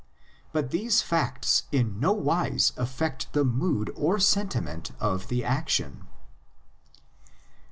But these facts in no wise affect the mood or sentiment of the action.